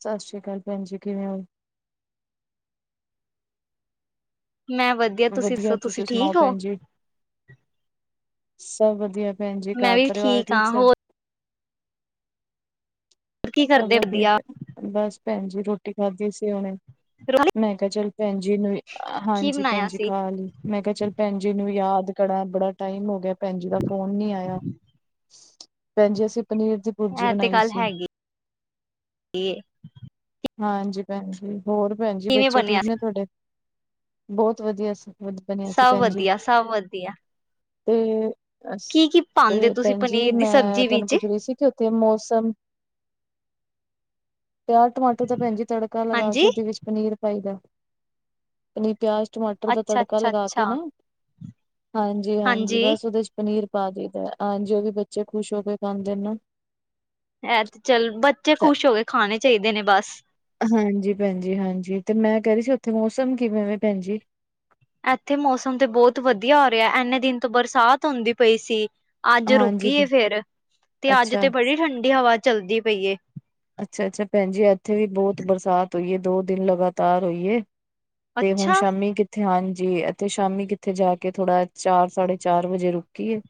ਸਤ ਸ੍ਰੀ ਕਾਲ ਭੈਣ ਜੀ, ਕਿਵੇਂ ਔ? ਮੈਂ ਵਧੀਆ। ਤੁਸੀਂ ਦੱਸੋ, ਤੁਸੀਂ ਸੁਣਾਓ ਠੀਕ ਹੋ? ਭੈਣ ਜੀ ਸਭ ਵਧੀਆ ਭੈਣ ਜੀ ਮੈਂ ਘਰ ਵੀ ਪਰਿਵਾਰ ਠੀਕ ਹਾਂ ਸਾਰੇ ਹੋਰ ਕੀ ਸਭ ਕਰਦੇ ਵਧੀਆ ਬਸ ਭੈਣ ਜੀ ਰੋਟੀ ਖਾਧੀ ਸੀ ਹੁਣੇ ਮੈਂ ਕਿਹਾ ਚੱਲ ਭੈਣ ਜੀ ਹੁਣੇ ਕੀ ਹਾਂਜੀ ਭੈਣ ਬਣਾਇਆ ਜੀ ਸੀ ਖਾ ਲਈ ਮੈਂ ਕਿਹਾ ਚੱਲ ਭੈਣ ਜੀ ਨੂੰ ਯਾਦ ਕਰਾਂ ਬੜਾ ਟਾਈਮ ਹੋ ਗਿਆ ਭੈਣ ਜੀ ਦਾ ਫੋਨ ਨੀ ਆਇਆ ਭੈਣ ਜੀ ਅਸੀਂ ਪਨੀਰ ਦੀ ਭੁਰਜੀ ਇਹ ਤੇ ਬਣਾਈ ਗੱਲ ਸੀ ਹੈਗੀ ਹਾਂਜੀ ਭੈਣ ਜੀ ਹੋਰ ਭੈਣ ਜੀ ਕਿਵੇਂ ਬੱਚੇ ਬਣਿਆ ਠੀਕ ਨੇ ਸੀ ਤੁਹਾਡੇ ਬਹੁਤ ਵਧੀਆ ਸੀ। ਵਧ- ਬਣਿਆ ਸੀ ਸਭ ਭੈਣ ਜੀ ਵਧੀਆ ਸਭ ਵਧੀਆ ਤੇ ਅ ਕੀ ਕੀ ਪਾਉਂਦੇ ਤੇ ਤੁਸੀਂ ਭੈਣ ਜੀ ਪਨੀਰ ਦੀ ਮੈਂ ਸਬਜ਼ੀ ਤੁਹਾਨੂੰ ਵਿੱਚ ਕੁਛ ਰਹੀ ਸੀ। ਉੱਥੇ ਮੌਸਮ ਤਿਆਰ ਤਾਂ ਭੈਣ ਜੀ ਤੜਕਾ ਲਗਾ ਹਾਂਜੀ ਕੇ ਉਹਦੇ ਵਿੱਚ ਪਨੀਰ ਪਾਈ ਦਾ ਪਿਆਜ ਟਮਾਟਰ ਦਾ ਅੱਛਾ ਤੜਕਾ ਅੱਛਾ ਲਗਾ ਕੇ ਅੱਛਾ ਨਾ ਹਾਂਜੀ ਹਾਂਜੀ ਬਸ ਉਹਦੇ ਚ ਪਨੀਰ ਪਾ ਦੇਦਾ ਹਾਂ ਜ ਉਹ ਵੀ ਬੱਚੇ ਖੁਸ਼ ਹੋ ਕੇ ਖਾਂਦੇ ਨੇ ਇਹ ਤੇ ਚੱਲ ਬੱਚੇ ਤੇ ਖੁਸ਼ ਹੋ ਕੇ ਖਾਣੇ ਚਾਹੀਦੇ ਨੇ ਬਸ ਹਾਂਜੀ ਭੈਣਜੀ ਹਾਂਜੀ ਤੇ ਮੈਂ ਕਹਿ ਰਹੀ ਸੀ ਉੱਥੇ ਮੌਸਮ ਕਿਵੇਂ ਭੈਣ ਜੀ। ਇੱਥੇ ਮੌਸਮ ਤੇ ਬਹੁਤ ਵਧੀਆ ਹੋ ਰਿਹਾ ਇੰਨੇ ਦਿਨ ਤੋਂ ਬਰਸਾਤ ਹੁੰਦੀ ਪਈ ਸੀ। ਅੱਜ ਹਾਂਜੀ ਰੁਕੀ ਭੈ ਏ ਫੇਰ ਤੇ ਅੱਜ ਅੱਛਾ ਤੇ ਬੜੀ ਠੰਡੀ ਹਵਾ ਚੱਲਦੀ ਪਈ ਅੱਛਾ ਅੱਛਾ ਭੈਣ ਜੀ ਇੱਥੇ ਵੀ ਬਹੁਤ ਬਰਸਾਤ ਹੋਈਏ ਦੋ ਦਿਨ ਲਗਾਤਾਰ ਹੋਈਏ ਤੇ ਹੁਣ ਅੱਛਾ ਸ਼ਾਮੀ ਕਿ ਹਾਂਜੀ ਅਤੇ ਸ਼ਾਮੀ ਕਿੱਥੇ ਜਾ ਕੇ ਥੋੜਾ ਚਾਰ ਸਾਢੇ ਚਾਰ ਵਜੇ ਰੁਕੀਏ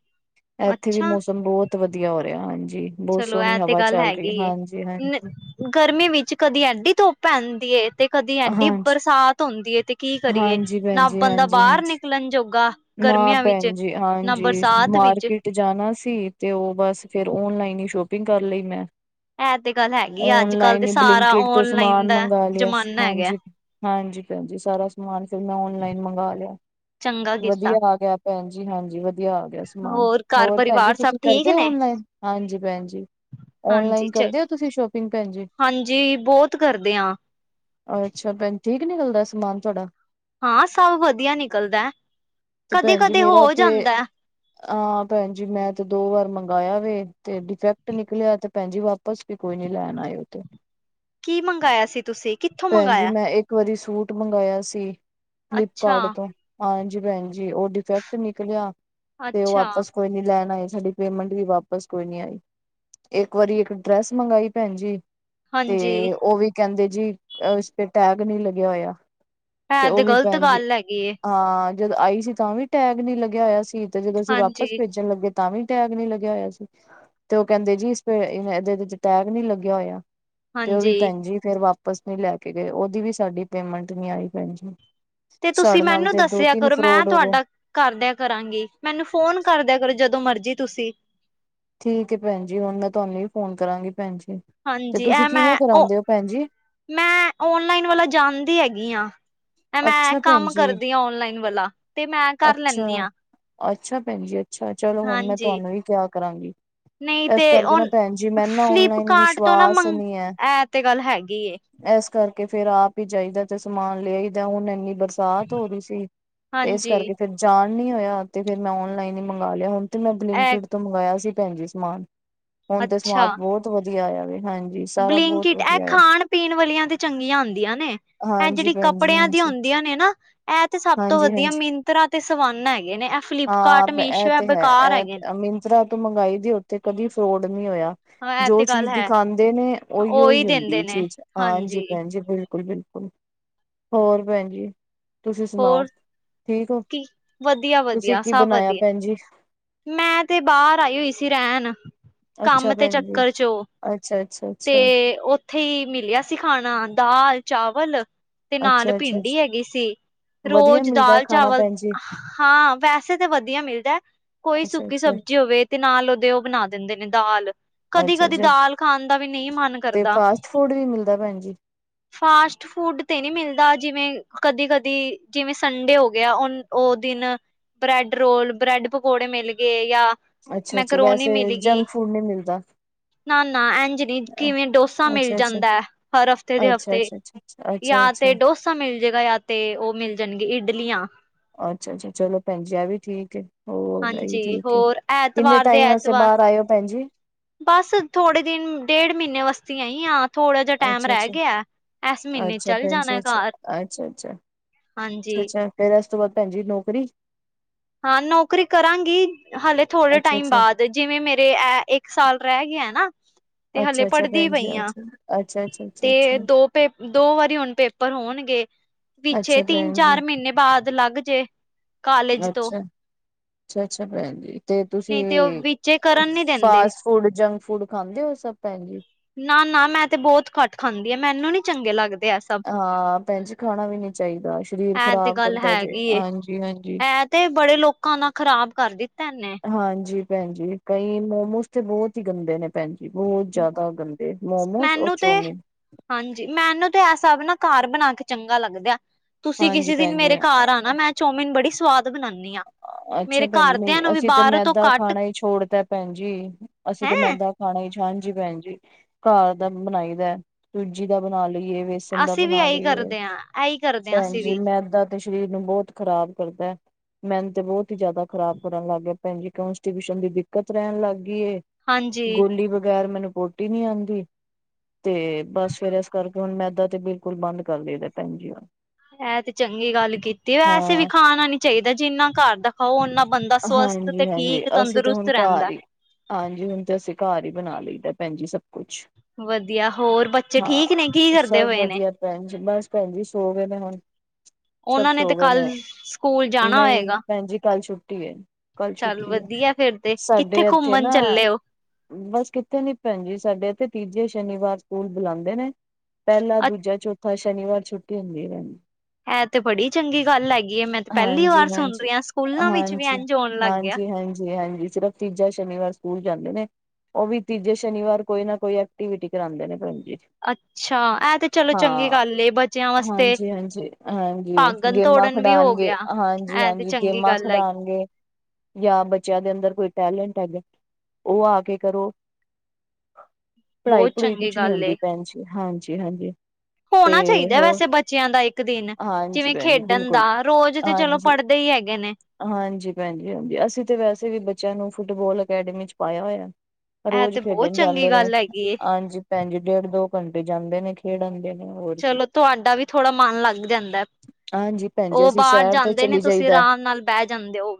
ਇੱਥੇ ਵੀ ਅੱਛਾ ਮੌਸਮ ਬਹੁਤ ਵਧੀਆ ਹੋ ਰਿਹਾ ਹਾਂਜੀ ਬਹੁਤ ਚਲੋ ਸੋਹਣੀ ਇਹ ਤੇ ਹਵਾ ਗੱਲ ਚੱਲ ਹੈਗੀ ਰਹੀ ਏ। ਹਾਂਜੀ ਹਾਂਜੀ ਗਰਮੀ ਵਿੱਚ ਕਦੀ ਐਡੀ ਧੁੱਪ ਪੈਦੀ ਤੇ ਕਦੀ ਐਡੀ ਹਾਂਜੀ ਬਰਸਾਤ ਹੁੰਦੀ ਤੇ ਕੀ ਕਰੀਏ ਹਾਂਜੀ ਭੈਣ ਨਾ ਜੀ ਬੰਦਾ ਹਾਂਜੀ ਬਾਹਰ ਹਾਂਜੀ ਨਿਕਲਣ ਜੋਗਾ ਨਾ ਗਰਮੀਆਂ ਵਿੱਚ ਭੈਣ ਜੀ ਨਾ ਹਾਂਜੀ ਬਰਸਾਤ ਵਿੱਚ ਮਾਰਕੀਟ ਜਾਣਾ ਸੀ ਤੇ ਉਹ ਬਸ ਫਿਰ ਓਨਲਾਈਨ ਹੀ ਸ਼ੋਪਿੰਗ ਕਰ ਲਈ ਮੈਂ ਇਹ ਤੇ ਗੱਲ ਹੈਗੀ ਆ ਅੱਜ ਕੱਲ ਓਨਲਾਈਨ ਤੇ ਹੀ ਸਾਰਾ ਬਲਿੰਕਟ ਤੋਂ ਔਨਲਾਈਨ ਸਮਾਨ ਦਾ ਮੰਗਵਾ ਲਿਆ ਸੀ ਜ਼ਮਾਨਾ ਹੈਗਾ ਹਾਂਜੀ ਹਾਂਜੀ ਭੈਣ ਜੀ ਸਾਰਾ ਸਮਾਨ ਫਿਰ ਮੈਂ ਓਨਲਾਈਨ ਮੰਗਵਾ ਲਿਆ ਚੰਗਾ ਕੀਤਾ ਵਧੀਆ ਆ ਗਿਆ ਭੈਣ ਜੀ ਹਾਂਜੀ ਵਧੀਆ ਆ ਗਿਆ ਸਮਾਨ ਘਰ ਹੋਰ ਭੈਣ ਜੀ ਪਰਿਵਾਰ ਸਭ ਤੁਸੀਂ ਠੀਕ ਕਰਦੇ ਹੋ ਨੇ ਔਨਲਾਈਨ ਹਾਂਜੀ ਭੈਣ ਜੀ ਹਾਂਜੀ ਓਨਲਾਈਨ ਚ ਕਰਦੇ ਹੋ ਤੁਸੀਂ ਸ਼ੋਪਿੰਗ ਭੈਣ ਜੀ ਹਾਂਜੀ ਬਹੁਤ ਕਰਦੇ ਹਾਂ ਅੱਛਾ ਭੈਣ, ਠੀਕ ਨਿਕਲਦਾ ਸਮਾਨ ਤੁਹਾਡਾ? ਹਾਂ, ਸਭ ਵਧੀਆ ਨਿਕਲਦਾ ਤੇ ਕਦੇ- ਭੈਣ ਜੀ ਕਦੇ ਮੇਰਾ ਹੋ ਤੇ ਜਾਂਦੈ ਹਾਂ ਭੈਣ ਜੀ, ਮੈਂ ਤੇ ਦੋ ਵਾਰ ਮੰਗਵਾਆ ਵੇ, ਤੇ ਡਿਫੈਕਟ ਨਿਕਲਿਆ ਤੇ ਭੈਣ ਜੀ ਵਾਪ ਪਸ ਵੀ ਕੋਈ ਨੀ ਲੈਣ ਆਏ ਔ ਤੇ ਕੀ ਮੰਗਾਇਆ ਸੀ ਤੁਸੀਂ, ਕਿੱਥੋਂ ਭੈਣ ਜੀ ਮੰਗਾਇਆ? ਮੈਂ ਇੱਕ ਵਾਰੀ ਸੂਟ ਮੰਗਾਇਆ ਸੀ, ਅੱਛਾ ਫਲਿਪਕਾਰਟ ਤੋਂ ਹਾਂਜੀ ਭੈਣ ਜੀ, ਉਹ ਡਿਫੈਕਟ ਨਿਕਲਿਆ ਤੇ ਉਹ ਅੱਛਾ ਵਾਪਸ ਕੋਈ ਨੀ ਲੈਣ ਆਏ ਸਾਡੀ ਪੇਮੈਂਟ ਦੀ ਵਾਪਸ ਕੋਈ ਨੀ ਆਈ ਇੱਕ ਵਾਰੀ ਇੱਕ ਡਰੈਸ ਮੰਗਾਈ ਭੈਣ ਜੀ ਤੇ ਹਾਂਜੀ, ਓ ਵੀ ਕਹਿੰਦੇ ਜੀ, ਉਸ ਤੇ ਟੈਗ ਨਹੀਂ ਲੱਗਿਆ ਹੋਇਆ। ਹੈ ਉਹ ਤੇ ਵੀ ਗ਼ਲਤ ਭੈਣ ਜੀ ਗੱਲ ਹੈਗੀ ਏ। ਹਾਂ ਜਦੋਂ ਆਈ ਸੀ ਤਾਂ ਵੀ ਟੈਗ ਨੀ ਲੱਗਿਆ ਹੋਇਆ ਸੀ, ਤੇ ਜਦੋਂ ਅਸੀਂ ਵਾਪਸ ਹਾਂਜੀ, ਭੇਜਣ ਲੱਗੇ ਤਾਂ ਵੀ ਟੈਗ ਨੀ ਲੱਗਿਆ ਹੋਇਆ ਸੀ। ਤੇ ਉਹ ਕਹਿੰਦੇ ਜੀ ਇਸਪੇ, ਐਦੇ ਵਿੱਚ ਟੈਗ ਨੀ ਲੱਗਿਆ ਹੋਇਆ। ਤੇ ਉਹ ਵੀ ਹਾਂਜੀ ਭੈਣ ਜੀ ਫਿਰ ਵਾਪਿਸ ਨਹੀਂ ਲੈ ਕੇ ਗਏ, ਉਹਦੀ ਵੀ ਸਾਡੀ ਪੇਮੈਂਟ ਨੀ ਆਈ ਭੈਣ ਜੀ। ਤੇ ਤੁਸੀਂ ਸਾਡੇ ਨਾਲ ਮੈਨੂੰ ਤੇ ਦੋ ਦੱਸਿਆ ਤਿੰਨ ਕਰੋ, ਮੈਂ ਫਰੋਡ ਹੋ ਗਏ ਤੁਹਾਡਾ ਕਰ ਦੇਆਂ ਕਰਾਂਗੀ। ਮੈਨੂੰ ਫੋਨ ਕਰਦਿਆਂ ਕਰੋ ਜਦੋਂ ਮਰਜੀ ਤੁਸੀਂ। ਠੀਕ ਏ ਭੈਣ ਜੀ, ਹੁਣ ਮੈਂ ਤੁਹਾਨੂੰ ਹੀ ਫੋਨ ਕਰਾਂਗੀ ਭੈਣ ਜੀ। ਤੇ ਹਾਂਜੀ, ਤੁਸੀਂ ਇਹ ਕਿਵੇਂ ਮੈਂ ਉਹ ਕਰਾਂਦੇ ਹੋ ਭੈਣ ਜੀ? ਮੈਂ ਓਨਲਾਈਨ ਵਾਲਾ ਜਾਣਦੀ ਹੈਗੀ ਹਾਂ ਮੈਂ ਅੱਛਾ ਭੈਣ ਕੰਮ ਜੀ ਕਰਦੀ ਆ ਔਨਲਾਈਨ ਵਾਲਾ ਤੇ ਮੈਂ ਕਰ ਲੈਂਦੀ ਅੱਛਾ ਹਾਂ ਅੱਛਾ ਭੈਣ ਜੀ ਅੱਛਾ ਚਲੋ ਹੁਣ ਮੈਂ ਹਾਂਜੀ, ਤੁਹਾਨੂੰ ਵੀ ਕਿਆ ਕਰਾਂਗੀ ਨਹੀਂ ਐਸ ਤੇ ਕਰਕੇ ਨਾ ਹੁਣ ਭੈਣ ਜੀ ਮੈਨ ਨਾ ਔਨਲਾਈਨ ਫਲਿੱਪਕਾਰਟ ਤੋਂ ਨਾ ਵਿਸ਼ਵਾਸ ਮੰਗ ਨੀਂ ਐ। ਇਹ ਤੇ ਗੱਲ ਹੈਗੀ ਏ, ਐਸ ਕਰਕੇ ਫੇਰ ਆਪ ਹੀ ਜਾਈਦੈ ਤੇ ਸਮਾਨ ਲੈ ਆਈਦੈ। ਹੁਣ ਇੰਨੀ ਬਰਸਾਤ ਹੋ ਰਹੀ ਸੀ। ਇਸ ਹਾਂਜੀ। ਕਰਕੇ ਫਿਰ ਜਾਣ ਨੀ ਹੋਇਆ ਤੇ ਫਿਰ ਮੈਂ ਓਨਲਾਈਨ ਹੀ ਮੰਗਾ ਲਿਆ। ਹੁਣ ਤੇ ਮੈਂ ਬ੍ਲਿੰਕ ਇਹ ਇੱਟ ਤੋਂ ਮੰਗਾਇਆ ਸੀ ਭੈਣ ਜੀ ਸਮਾਨ। ਹੁਣ ਤੇ ਸਮਾਦ ਬਹੁਤ ਵਧੀਆ ਆਇਆ ਵੇ, ਹਾਂਜੀ। ਸਾਰਾ ਬਲਿੰਕ ਬਹੁਤ ਇੱਟ, ਇਹ ਵਧੀਆ ਆਇਆ ਖਾਣ- ਪੀਣ ਵਾਲੀਆਂ ਤੇ ਚੰਗੀਆਂ ਹੁੰਦੀਆਂ ਨੇ, ਇਹ ਹਾਂਜੀ ਜਿਹੜੀ ਭੈਣ ਜੀ ਕੱਪੜਿਆਂ ਦੀਆਂ ਹਾਂਜੀ। ਹੁੰਦੀਆਂ ਨੇ ਨਾ ਇਹ ਤੇ ਸਭ ਤੋਂ ਵਧੀਆ ਹਾਂਜੀ-ਹਾਂਜੀ ਮਿੰਤਰਾ ਤੇ ਸਵਾਨਾ ਹੈਗੀਆ ਨੇ। ਇਹ ਹਾਂ ਫਲਿਪਕਾਰਟ, ਮੀਸ਼ੋ ਇਹ ਤੇ ਹੈ ਬੇਕਾਰ ਹੈਗਿਆਂ ਨੇ। ਇਹ ਮਿੰਤਰਾ ਤੋਂ ਮੰਗਾਈ ਦੀ, ਉੱਥੇ ਕਦੀ ਫਰੋਡ ਨੀ ਹੋਇਆ। ਹਾਂ ਇਹ ਜੋ ਤੇ ਗੱਲ ਚੀਜ਼ ਹੈ ਦਿਖਾਂਦੇ ਨੇ, ਓਈ ਉਹੀ -ਓਈ ਹੁੰਦੀ ਦਿੰਦੇ ਏ ਨੇ ਚੀਜ਼। ਹਾਂਜੀ ਭੈਣ ਜੀ, ਬਿਲਕੁਲ- ਬਿਲਕੁਲ। ਹੋਰ ਭੈਣ ਜੀ, ਤੁਸੀਂ ਸੁਣਾਓ। ਹੋਰ ਠੀਕ ਹੋ ਕੀ, ਤੁਸੀਂ ਵਧੀਆ-ਵਧੀਆ, ਕੀ ਸਭ ਬਣਾਇਆ ਵਧੀਆ। ਭੈਣ ਜੀ ਮੈਂ ਤੇ ਬਾਹਰ ਆਈ ਹੋਈ ਸੀ ਰਹਿਣ, ਕੰਮ ਤੇ ਚੱਕਰ ਚ ਔ। ਅੱਛਾ-ਅੱਛਾ। ਉੱਥੇ ਹੀ ਮਿਲਿਆ ਸੀ ਖਾਣਾ। ਦਾਲ, ਚਾਵਲ ਤੇ ਨਾਲ ਅੱਛਾ ਅੱਛਾ ਅੱਛਾ ਭਿੰਡੀ ਹੈਗੀ ਸੀ। ਵਧੀਆ ਰੋਜ਼ ਮਿਲਦਾ ਹੈ ਖਾਣਾ ਦਾਲ-ਚਾਵਲ। ਭੈਣ ਜੀ ਹਾਂ, ਵੈਸੇ ਤੇ ਵਧੀਆ ਮਿਲਦੈ। ਕੋਈ ਅੱਛਾ ਸੁੱਕੀ ਅੱਛਾ ਸਬਜ਼ੀ ਹੋਵੇ ਤੇ ਨਾਲ ਉਹਦੇ ਉਹ ਬਣਾ ਦਿੰਦੇ ਨੇ, ਦਾਲ। ਅੱਛਾ ਕਦੀ-ਕਦੀ ਅੱਛਾ ਦਾਲ ਖਾਣ ਦਾ ਵੀ ਨਹੀਂ ਮਨ ਤੇ ਕਰਦਾ। ਫਾਸਟ ਫੂਡ ਵੀ ਮਿਲਦਾ ਭੈਣ ਜੀ। ਫਾਸਟ ਫੂਡ ਤੇ ਨਹੀਂ ਮਿਲਦਾ। ਜਿਵੇਂ ਕਦੀ-ਕਦੀ, ਜਿਵੇਂ ਸੰਡੇ ਹੋ ਗਿਆ। ਉਨ ਉਹ ਦਿਨ ਬ੍ਰੈਡ ਰੋਲ, ਬ੍ਰੈਡ ਪਕੌੜੇ ਮਿਲ ਗਏ, ਯਾ ਅੱਛਾ- ਅੱਛਾ, ਵੈਸੇ ਜੰਕ ਫੂਡ ਨਹੀਂ ਮਿਲਦਾ। ਨਾ-ਨਾ, ਇੰਝ ਨਹੀਂ। ਕਿਵੇਂ ਡੋਸਾ ਮਿਲ ਅੱਛਾ ਅੱਛਾ ਜਾਂਦੈ, ਹਰ ਹਫ਼ਤੇ ਅਗਲੇ ਅੱਛਾ ਹਫ਼ਤੇ, ਅੱਛਾ ਅੱਛਾ ਯਾ ਅੱਛਾ ਤੇ ਅੱਛਾ ਡੋਸਾ ਮਿਲ ਜੇਗਾ ਯਾ ਤੇ ਉਹ ਮਿਲ ਜਾਣਗਿਆਂ, ਇਡਲੀਆਂ। ਅੱਛਾ-ਅੱਛਾ, ਚਲੋ ਭੈਂਜੀ ਐ ਵੀ ਠੀਕ ਏ। ਹੋਰ ਏਹੀ ਹਾਂਜੀ ਠੀਕ ਹੈ। ਹੋਰ ਕਿੰਨੇ ਐਤਵਾਰ ਦੇ ਟਾਈਮ ਆਸਤੇ ਐਤਵਾਰ ਬਾਹਰ ਆਇ ਓ ਭੈਂਜੀ? ਬਸ ਥੋੜੇ ਦਿਨ, ਡੇਢ ਮਹੀਨੇ ਵਾਸਤੀ ਆਈਆਂ। ਥੋੜਾ ਜਿਹਾ ਟਾਈਮ ਅੱਛਾ ਰਹਿ ਅੱਛਾ ਗਿਆ, ਇਸ ਮਹੀਨੇ ਅੱਛਾ ਚੱਲ ਭੈਣ ਜੀ ਜਾਣਾ ਅੱਛਾ ਘਰ। ਅੱਛਾ ਅੱਛਾ ਹਾਂਜੀ ਅੱਛਾ ਅੱਛਾ ਫੇਰ ਇਸ ਤੋਂ ਬਾਅਦ ਭੈਣ ਜੀ ਨੌਕਰੀ ਹਾਂ ਨੌਕਰੀ ਕਰਾਂਗੀ ਹਲੇੇ ਥੋੜੇ ਅੱਛਾ ਟਾਈਮ ਅੱਛਾ ਬਾਅਦ ਜਿਵੇਂ ਮੇਰੇ ਇਹ ਇੱਕ ਸਾਲ ਰਹਿ ਗਏ ਨਾ ਤੇ ਹਲੇ ਅੱਛਾ ਅੱਛਾ ਪੜ੍ਹਦੀ ਭੈਣ ਜੀ ਪਈ ਆ ਅੱਛਾ ਅੱਛਾ ਅੱਛਾ ਅੱਛਾ ਤੇ ਅੱਛਾ ਦੋ ਤੇ ਦੋ ਵਾਰੀ ਹੁਣ ਪੇਪਰ ਹੋਣਗੇ ਪਿੱਛੇ ਅੱਛਾ ਤਿੰਨ ਭੈਣ ਜੀ ਚਾਰ ਮਹੀਨੇ ਬਾਅਦ ਲੱਗ ਜੇ ਕਾਲਜ ਤੋਂ ਅੱਛਾ ਅੱਛਾ ਅੱਛਾ ਭੈਣ ਜੀ ਤੇ ਤੁਸੀਂ ਨਹੀਂ ਤੇ ਉਹ ਵਿੱਚੇ ਕਰਨ ਨੀ ਦਿੰਦੇ ਫਾਸਟ ਫੂਡ ਜੰਕ ਫੂਡ ਖਾਂਦੇ ਹੋ ਸਭ ਭੈਣ ਜੀ ਨਾ ਨਾ ਮੈਂ ਤੇ ਬਹੁਤ ਘੱਟ ਖਾਂਦੀ ਹਾਂ ਮੈਨੂੰ ਨੀ ਚੰਗੇ ਲੱਗਦੇ ਐ ਸਭ ਹਾਂ ਭੈਣ ਜ ਖਾਣਾ ਵੀ ਨੀ ਚਾਹੀਦਾ ਸਰੀਰ ਐ ਤੇ ਖ਼ਰਾਬ ਗੱਲ ਕਰਦਾ ਜੇ ਹੈਗੀ ਏ ਹਾਂਜੀ ਹਾਂਜੀ ਐ ਤੇ ਬੜੇ ਲੋਕਾਂ ਨਾਲ ਖ਼ਰਾਬ ਕਰ ਦਿੱਤਾ ਨੇ ਹਾਂਜੀ ਭੈਣ ਜੀ ਕਈ ਮੋਮੋਸ ਤੇ ਰੋਜ਼ ਹੀ ਗੰਦੇ ਨੇ ਭੈਣ ਜੀ ਬਹੁਤ ਜਿਆਦਾ ਗੰਦੇ ਮੋਮੋਸ ਔਰ ਮੈਨੂੰ ਤੇ ਚੋਮਿਨ ਹਾਂਜੀ ਮੈਨੂੰ ਤੇ ਇਹ ਸਾਬ ਨਾ ਘਰ ਬਣਾ ਕੇ ਚੰਗਾ ਲੱਗਦਾ ਆ ਤੁਸੀਂ ਹਾਂਜੀ ਕਿਸੇ ਦਿਨ ਭੈਣ ਮੇਰੇ ਜੀ ਘਰ ਆ ਮੈਂ ਚੌਮਿਨ ਬੜੀ ਸਵਾਦ ਬਣਾਉਦੀ ਅੱਛਾ ਭੈਣ ਜੀ ਨਹੀਂ ਅਸੀਂ ਤੇ ਬਾਹਰ ਤੋਂ ਮੈਦਾ ਘੱਟ ਖਾਣਾ ਹੀ ਛੋੜਤਾ ਭੈਣ ਜੀ ਅਸੀਂ ਤੇ ਹੈਂ ਮੈਦਾ ਖਾਣੇ ਚ ਹਾਂਜੀ ਭੈਣ ਜੀ ਘਰ ਦਾ ਬਣਾਈ ਦਾ ਸੂਜੀ ਦਾ ਬਣਾ ਲਈਏ ਬੇਸਨ ਦਾ ਅਸੀਂ ਵੀ ਬਣਾ ਇਹੀ ਲਈਏ। ਕਰਦੇ ਆ ਇਹੀ ਕਰਦੇ ਆ ਭੈਣ ਅਸੀਂ ਜੀ, ਵੀ ਮੈਦਾ ਤੇ ਸਰੀਰ ਨੂੰ ਬਹੁਤ ਖ਼ਰਾਬ ਕਰਦਾ। ਮੈਨ ਤੇ ਬਹੁਤ ਹੀ ਜਿਆਦਾ ਖ਼ਰਾਬ ਕਰਨ ਲੱਗ ਗਿਆ ਭੈਣ ਜੀ। ਕੋਂਸਟੀਪੇਸ਼ਨ ਦੀ ਦਿੱਕਤ ਰਹਿਣ ਲੱਗ ਗੀ ਏ। ਹਾਂਜੀ ਗੋਲੀ ਬਗੈਰ ਮੈਨੂੰ ਪੋਟੀ ਨੀ ਆਂਦੀ ਤੇ ਬਸ ਫਿਰ ਇਸ ਕਰਕੇ ਹੁਣ ਮੈਦਾ ਤੇ ਬਿਲਕੁਲ ਬੰਦ ਕਰ ਦੇਈ ਦਾ ਭੈਣ ਜੀ ਹੁਣ। ਐ ਤੇ ਚੰਗੀ ਗੱਲ ਕੀਤੀ। ਵੈਸੇ ਵੀ ਹਾਂ ਖਾਣਾ ਨੀ ਚਾਹੀਦਾ, ਜਿੰਨਾ ਘਰ ਦਾ ਖਾਓ ਉਹਨਾਂ ਬੰਦਾ ਸਵਸਥ ਤੇ ਹਾਂਜੀ ਹਾਂਜੀ ਠੀਕ ਅਸੀਂ ਤੇ ਤੰਦਰੁਸਤ ਹੁਣ ਘਰ ਰਹਿੰਦਾ ਹੀ ਹਾਂਜੀ ਹੁਣ ਤਾਂ ਅਸੀਂ ਘਰ ਹੀ ਬਣਾ ਲਈਦਾ ਭੈਣ ਜੀ ਸਭ ਕੁਛ ਵਧੀਆ ਹੋਰ ਬੱਚੇ ਠੀਕ ਨੇ ਕੀ ਹਾਂ ਕਰਦੇ ਸਭ ਪਏ ਨੇ ਵਧੀਆ ਭੈਣ ਜੀ ਬਸ ਭੈਣ ਜੀ ਸੌ ਦਾ ਹੁਣ ਸਭ ਉਹਨਾਂ ਸੋ ਤੇ ਗਏ ਕੱਲ ਨੇ ਸਕੂਲ ਜਾਣਾ ਨਹੀਂ ਹੋਏਗਾ। ਭੈਣ ਜੀ ਕੱਲ ਛੁੱਟੀ ਹੈ। ਕੱਲ ਚੱਲ ਛੁੱਟੀ ਹੈ ਵਧੀਆ ਫੇਰ ਤੇ ਸਾਡੇ ਕਿੱਥੇ ਇੱਥੇ ਘੁੰਮਣ ਨਾ ਚੱਲੇ ਹੋ? ਬਸ ਕਿੱਥੇ ਨੀ ਭੈਣ ਜੀ ਸਾਡੇ ਇਥੇ ਤੀਜੇ ਸ਼ਨੀਵਾਰ ਸਕੂਲ ਬੁਲਾਉਂਦੇ ਨੇ ਪਹਿਲਾ ਦੂਜਾ ਚੌਥਾ ਸ਼ਨੀਵਾਰ ਛੁੱਟੀ ਹੁੰਦੀ ਹੈ। ਇਹ ਤੇ ਬੜੀ ਚੰਗੀ ਗੱਲ ਹੈ ਗਈ ਮੈਂ ਤੇ ਪਹਿਲੀ ਵਾਰ ਹਾਂਜੀ ਸੁਣ ਹਾਂਜੀ ਰਹੀ ਹਾਂ ਸਕੂਲਾਂ ਵਿੱਚ ਵੀ ਹਾਂਜੀ ਇੰਝ ਹੋਣ ਲੱਗ ਗਿਆ ਹਾਂਜੀ ਹਾਂਜੀ ਸਿਰਫ ਤੀਜਾ ਸ਼ਨੀਵਾਰ ਸਕੂਲ ਜਾਂਦੇ ਨੇ ਉਹ ਵੀ ਤੀਜੇ ਸ਼ਨੀਵਾਰ ਕੋਈ ਨਾ ਕੋਈ ਐਕਟੀਵਿਟੀ ਕਰਾਉਂਦੇ ਨੇ ਪਰਮ ਜੀ ਅੱਛਾ ਇਹ ਤੇ ਚਲੋ ਚੰਗੀ ਹਾਂ ਗੱਲ ਏ ਬੱਚਿਆਂ ਵਾਸਤੇ ਹਾਂਜੀ ਹਾਂਜੀ ਹਾਂਜੀ ਭਾਗਣ ਗੇਮਾਂ ਤੋੜਨ ਵੀ ਹੋ ਖਿਡਾਣਗੇ ਗਿਆ। ਹਾਂਜੀ ਐ ਤੇ ਹਾਂਜੀ ਚੰਗੀ ਗੇਮਾਂ ਗੱਲ ਖਿਡਾਉਣ ਹੈਗੀ ਜਾਂ ਬੱਚਿਆਂ ਦੇ ਅੰਦਰ ਕੋਈ ਟੈਲੈਂਟ ਹੈਗਾ ਉਹ ਆ ਕੇ ਕਰੋ ਪੜ੍ਹਾਈ ਬਹੁਤ ਪੂਰੀ ਚੰਗੀ ਕੁਛ ਨਹੀਂ ਗੱਲ ਏ। ਆਉਂਦੀ ਭੈਣ ਜੀ ਹਾਂਜੀ ਹਾਂਜੀ ਤੇ ਹੋਣਾ ਚਾਹੀਦਾ ਹੋਰ ਵੈਸੇ ਬੱਚਿਆਂ ਦਾ ਇੱਕ ਦਿਨ ਹਾਂਜੀ ਜਿਵੇਂ ਭੈਣ ਜੀ ਖੇਡਣ ਬਿਲਕੁਲ ਦਾ ਰੋਜ਼ ਤੇ ਚਲੋ ਹਾਂਜੀ ਪੜ ਦੇ ਹੈਗੇ ਨੇ ਹਾਂਜੀ ਭੈਣ ਜੀ ਹਾਂਜੀ ਅਸੀਂ ਤੇ ਵੈਸੇ ਵੀ ਬੱਚਿਆਂ ਨੂੰ ਫੁੱਟਬਾਲ ਅਕੈਡਮੀ ਚ ਪਾਇਆ ਹੋਇਆ ਇਹ ਰੋਜ਼ ਤੇ ਬਹੁਤ ਖੇਡਣ ਚੰਗੀ ਜਾਂਦੇ ਨੇ ਗੱਲ ਹੈਗੀ। ਏ। ਹਾਂਜੀ ਭੈਣ ਜੀ ਡੇਢ ਦੋ ਘੰਟੇ ਜਾਂਦੇ ਨੇ ਖੇਡਣ ਖੇਡ ਆਣਗੇ ਚਲੋ ਤੁਹਾਡਾ ਵੀ ਥੋੜਾ ਮਨ ਲੱਗ ਜਾਂਦਾ ਹਾਂਜੀ ਭੈਣ ਜੀ ਉਹ ਅਸੀਂ ਬਾਹਰ ਸੈਰ ਤੇ ਜਾਂਦੇ ਨੇ ਚਲੀ ਤੁਸੀਂ ਜਾਈਦਾ ਆਰਾਮ ਨਾਲ ਬਹਿ ਜਾਂਦੇ ਹੋ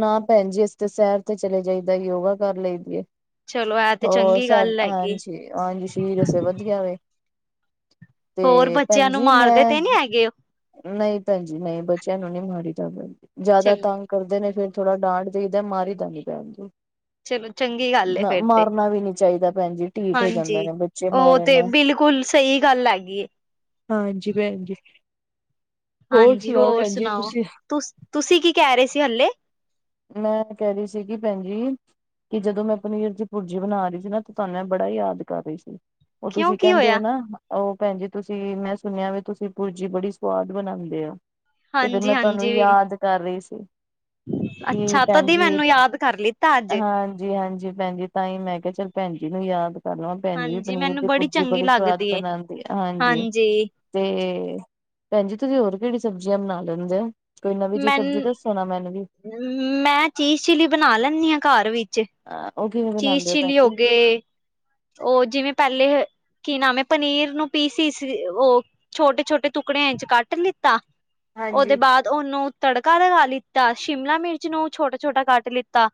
ਨਾ ਭੈਣ ਜੀ ਇਸ ਤੇ ਸੈਰ ਤੇ ਚਲੇ ਜਾਈਦਾ ਯੋਗਾ ਕਰ ਲਈ ਹੈ। ਚਲੋ ਐ ਤੇ ਹੋ ਚੰਗੀ ਸਰ ਗੱਲ ਹੈਗੀ। ਹਾਂਜੀ ਤੇਰਸ ਵਧੀਆ ਵੇ ਹੋਰ ਤੇ ਭੈਣ ਬੱਚਿਆਂ ਨੂੰ ਜੀ ਮਾਰਦੇ ਮੈਂ ਤੇ ਨੀ ਹੈਗੇ ਉਹ ਨਹੀਂ ਭੈਣ ਜੀ ਨਹੀਂ ਬੱਚਿਆਂ ਨੂੰ ਨਹੀਂ ਮਾੜੀ ਜਾ ਚ ਜ਼ਿਆਦਾ ਤੰਗ ਕਰਦੇ ਨੇ ਫਿਰ ਥੋੜਾ ਡਾਂਟ ਦੇਈਦਾ ਮਾਰੀ ਦਾ ਨੀ ਪੈਰ ਤੇ ਚਲੋ ਚੰਗੀ ਗੱਲ ਏ ਫੇਰ ਤੇ ਮਾਰਨਾ ਵੀ ਨੀ ਚਾਹੀਦਾ ਭੈਣ ਜੀ ਢੀਠ ਹੋ ਜਾਂਦੇ ਹਾਂਜੀ ਨੇ ਬੱਚੇ ਉਹ ਮਾਰਨ ਤੇ ਨਾਲ। ਬਿਲਕੁਲ ਸਹੀ ਗੱਲ ਹੈਗੀ ਹਾਂਜੀ ਭੈਣ ਜੀ ਹੋਰ ਹਾਂਜੀ ਸੁਣਾਓ ਭੈਣ ਜੀ ਸੁਣਾਓ। ਤੁਸੀਂ। ਤੁ ਤੁਸੀਂ ਕੀ ਕਹਿ ਰਹੇ ਸੀ ਹਲੇੇ। ਮੈਂ ਕਹਿ ਰਹੀ ਸੀਗੀ ਭੈਣ ਜੀ। ਕਿ ਜਦੋਂ ਮੈਂ ਪਨੀਰ ਦੀ ਭੁਰਜੀ ਬਣਾ ਰਹੀ ਸੀ ਨਾ ਤੇ ਤੁਹਾਨੂੰ ਮੈਂ ਬੜਾ ਹੀ ਯਾਦ ਕਰ ਰਹੀ ਸੀ। ਉਹ ਕਿਉਂ ਤੁਸੀਂ ਕੀ ਕਹਿੰਦੇ ਹੋ ਹੋਇਆ ਨਾ। ਉਹ ਭੈਣ ਤੁਸੀਂ ਮੈਂ ਸੁਣਿਆ ਵੀ ਤੁਸੀਂ ਭੁਰਜੀ ਬੜੀ ਸੁਵਾਦ ਬਣਾਉਂਦੇ ਹੋ। ਤੇ ਫਿਰ ਹਾਂਜੀ ਮੈਂ ਤੁਹਾਨੂੰ ਹਾਂਜੀ ਵੀ ਯਾਦ ਕਰ ਰਹੀ ਸੀ। ਕੀ ਅੱਛਾ ਭੈਣ ਤਦੀ ਜੀ ਮੈਨੂੰ ਯਾਦ ਕਰ ਲਿੱਤਾ ਅੱਜ ਹਾਂਜੀ ਹਾਂਜੀ ਭੈਣ ਜੀ। ਟਾਈਮ ਹੈਗਾ ਚੱਲ ਭੈਣ ਜੀ ਨੂੰ ਯਾਦ ਕਰਲ ਭੈਣ ਜੀ ਵੀ ਹਾਂਜੀ ਪਨੀਰ ਮੈਨੂੰ ਦੀ ਭੂਜੀ ਚੰਗੀ ਬੜੀ ਸਵਾਦ ਲੱਗਦੀ ਏ ਬਣਾਉਂਦੀ। ਹਾਂਜੀ ਤੇ ਭੈਣ ਜੀ, ਤੁਸੀਂ ਹੋਰ ਕਿਹੜੀ ਸਬਜ਼ੀਆਂ ਬਣਾ ਲੈਂਦੇ ਹੋ। ਕੋਈ ਨਵੀਂ ਜਿਹੀ, ਸਬਜ਼ੀ ਮੈਨ ਦੱਸੋ ਨਾ ਮੈਨੂੰ ਵੀ। ਮੈਂ ਚੀਜ਼ ਚਿੱਲੀ ਬਣਾ ਲੈਂਦੀ ਹਾਂ, ਘਰ ਵਿੱਚ। ਉਹ ਕਿਵੈ ਬਣਾਂਦੇ ਹੋ, ਭੈਣਜੀ। ਤੇ ਉਹ ਜਿਵੇਂ ਪਹਿਲੇ ਕੀ ਨਾਮ ਐ, ਪਨੀਰ ਨੂੰ ਪੀ ਸੀ ਸੀ, ਉਹ ਛੋਟੇ ਛੋਟੇ ਟੁਕੜਿਆਂ ਇੰਚ, ਕੱਟ ਲਿੱਤਾ ਉਹਦੇ ਹਾਂਜੀ। ਬਾਅਦ ਉਹਨੂੰ ਤੜਕਾ ਲਗਾ ਲਿੱਤਾ, ਸ਼ਿਮਲਾ ਮਿਰਚ ਨੂੰ ਛੋਟਾ ਛੋਟਾ ਕੱਟ ਲਿੱਤਾ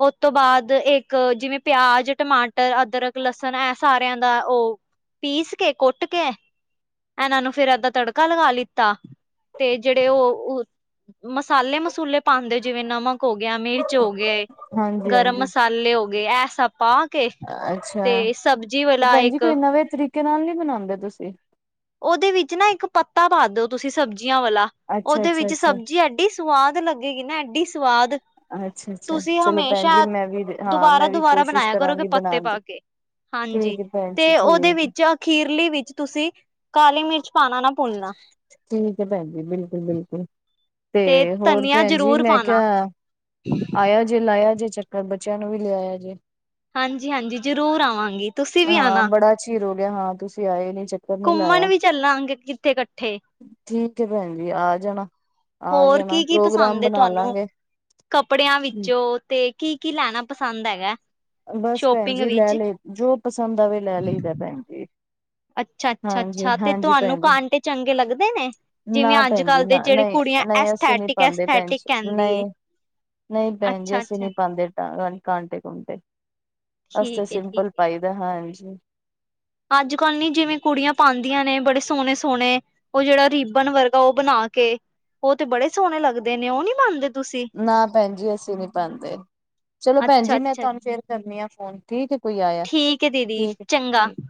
ਉਸ ਤੋਂ ਬਾਅਦ ਇੱਕ, ਜਿਵੇਂ ਪਿਆਜ ਟਮਾਟਰ ਅਦਰਕ ਲਸਣ ਐ, ਸਾਰਿਆਂ ਦਾ ਉਹ ਪੀਸ ਕੇ, ਕੁੱਟ ਕੇ ਇਹਨਾਂ ਨੂੰ ਫਿਰ ਏਦਾਂ ਤੜਕਾ ਲਗਾ ਲਿੱਤਾ, ਤੇ ਜਿਹੜੇ ਉਹ ਮਸਾਲੇ ਮਸੂਲੇ ਪਾਉਂਦੇ, ਜਿਵੇਂ ਨਮਕ ਹੋ ਗਿਆ ਮਿਰਚ। ਹੋ ਗਏ, ਹਾਂਜੀ ਗਰਮ ਹਾਂਜੀ ਮਸਾਲੇ ਹੋ ਗਏ, ਐ ਸਬ ਪਾ ਕੇ ਅੱਛਾ ਸਬਜ਼ੀ ਤੇ ਵਾਲਾ ਭੈਣਜੀ ਇੱਕ ਕੋਈ ਨਵੇਂ ਤਰੀਕੇ ਨਾਲ ਨੀ ਬਨਾਉਂਦੇ ਤੁਸੀਂ। ਉਹਦੇ ਵਿੱਚ ਨਾ ਇੱਕ ਪੱਤਾ ਪਾ ਦੋ ਤੁਸੀਂ ਸਬਜ਼ੀਆਂ ਵਾਲਾ, ਅੱਛਾ ਉਹਦੇ ਅੱਛਾ ਵਿੱਚ ਅੱਛਾ ਸਬਜਿਆਂ ਐ ਸਵਾਦ ਲੱਗੇਗੀ ਨਾ, ਐਡੀ ਸਵਾਦ। ਅੱਛਾ ਅੱਛਾ ਤੁਸੀਂ ਚਲੋ ਭੈਣ ਜੀ ਹਮੇਸ਼ਾ ਮੈਂ ਵੀ ਹਾਂ ਦੁਬਾਰਾ ਮੈਂ ਵੀ ਦੁਬਾਰਾ ਕੋਸ਼ਿਸ਼ ਬਣਾਇਆ ਕਰੋਗੇ, ਕਰਾਂਗੀ ਪੱਤੇ ਬਣਾਉਣ ਦੀ। ਪਾ ਕੇ। ਹਾਂਜੀ, ਠੀਕ ਹੈ ਭੈਣ ਜੀ ਤੇ ਉਹਦੇ ਠੀਕ ਵਿੱਚ ਖੀਰਲੀ ਵਿੱਚ ਤੁਸੀਂ ਕਾਲੀ ਮਿਰਚ ਪਾਣਾ ਨਾ ਭੁੰਲਣਾ। ਠੀਕ ਹੈ ਭੈਣ ਜੀ ਬਿਲਕੁਲ ਬਿਲਕੁਲ, ਤੇ ਹੋਰ ਭੈਣ ਜੀ ਮੈਂ ਕਿਹਾ ਹਾਂ [inaudible] ਆਇਆ ਜੇ, ਲਾਇਆ ਜੇ ਚੱਕਰ, ਬੱਚਿਆਂ ਨੂੰ ਵੀ ਲਿਆਇਆ ਜੇ। ਹਾਂਜੀ ਹਾਂਜੀ, ਜ਼ਰੂਰ ਆਵਾਂਗੀ, ਤੁਸੀਂ ਵੀ ਆਣਾ। ਚੀਰ ਰੋ ਗਿਆ, ਹਾਂ ਤੁਸੀਂ ਆਏ ਨੀ। ਨੀ ਲਾਇਆ। ਘੁੰਮਣ ਵੀ ਚੱਲਾਂਗੇ, ਕਿੱਥੇ ਇਕੱਠੇ। ਠੀਕ ਹੈ ਭੈਣ ਜੀ ਆ ਜਾਣਾ, ਆ ਹੋਰ ਜਾਣਾ, ਕੀ ਕੀ ਪ੍ਰੋਗਰਾਮ ਪਸੰਦ ਹੈ ਬਣਾ ਤੁਹਾਨੂੰ ਲਾਂਗੇ। ਕੱਪੜਿਆਂ ਵਿੱਚੋਂ, ਤੇ ਕੀ ਕੀ ਲੈਣਾ ਪਸੰਦ ਹੈਗਾ। ਬਸ ਭੈਣ ਸ਼ੋਪਿੰਗ ਜੀ ਲੈ ਵਿੱਚ? ਲਈ, ਜੋ ਪਸੰਦ ਆਵੇ ਲੈ ਲਈਦਾ ਭੈਣ ਜੀ। ਅੱਛਾ, ਅੱਛਾ, ਹਾਂਜੀ ਅੱਛਾ ਤੇ ਹਾਂਜੀ ਤੁਹਾਨੂੰ ਭੈਣ ਜੀ ਕਾਂਟੇ ਚੰਗੇ ਲੱਗਦੇ ਨੇ। ਜਿਵੇਂ ਨਾ ਅੱਜ ਭੈਣ ਜੀ ਕਲ ਦੇ ਨਾ ਜਿਹੜੀ ਨਹੀਂ ਕੁੜੀਆਂ, ਨਹੀਂ ਅਸੀਂ ਨਹੀਂ ਅਸਥੈਟਿਕ ਪਾਉਂਦੇ ਭੈਣ ਅਸਥੈਟਿਕ ਜੀ ਕਹਿੰਦੀ ਨਹੀਂ ਏ। ਨਹੀਂ ਭੈਣ ਜੀ, ਅਸੀਂ ਅੱਛਾ-ਅੱਛਾ ਨੀ ਪਾਉਦੇ ਕਾਂਟੇ ਕੁੰਟੇ। ਅਸ ਠੀਕ ਏ ਠੀਕ ਸਿੰਪਲ ਪਾਈਦਾ ਹਾਂਜੀ। ਅੱਜ ਕੱਲ ਨੀ ਜਿਵੇਂ ਕੁੜੀਆਂ ਪਾਉਂਦੀਆਂ ਨੇ, ਬੜੇ ਸੋਹਣੇ ਸੋਹਣੇ ਉਹ ਜਿਹੜਾ ਰੀਬਨ ਵਰਗਾ ਉਹ ਬਣਾ ਕੇ, ਉਹ ਤੇ ਬੜੇ ਸੋਹਣੇ ਲੱਗਦੇ ਨੇ, ਉਹ ਨੀ ਪਾਂਦੇ। ਤੁਸੀਂ? ਨਾ ਭੈਣ ਜੀ ਅਸੀਂ ਨੀ ਪਾਉਂਦੇ, ਚਲੋ ਭੈਣ ਜੀ ਮੈਂ ਅੱਛਾ-ਅੱਛਾ ਤੁਹਾਨੂੰ ਫੇਰ ਕਰਨੀ ਆ ਫੋਨ। ਠੀਕ ਐ, ਕੋਈ ਆਇਆ, ਠੀਕ ਏ ਦੀਦੀ ਠੀਕ। ਚੰਗਾ। ਠੀਕ